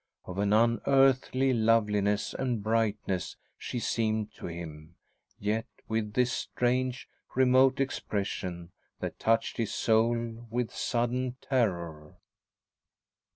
Of an unearthly loveliness and brightness she seemed to him, yet with this strange, remote expression that touched his soul with sudden terror.